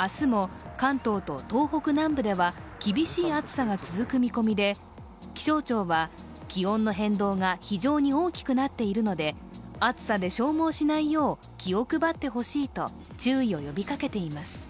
明日も関東と東北南部では厳しい暑さが続く見込みで、気象庁は気温の変動が非常に大きくなっているので暑さで消耗しないよう気を配ってほしいと注意を呼びかけています。